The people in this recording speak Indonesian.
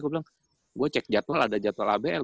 gua bilang gua cek jadwal ada jadwal abl